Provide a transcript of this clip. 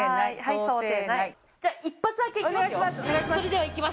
じゃあ一発開けいきますよ。